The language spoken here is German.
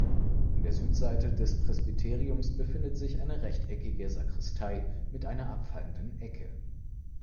An der Südseite des Presbyteriums befindet sich eine rechteckige Sakristei mit einer abfallenden Ecke.